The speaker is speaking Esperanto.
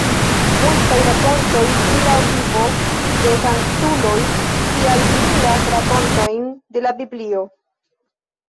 Multaj rakontoj pri la vivo de sanktuloj tial similas rakontojn de la Biblio.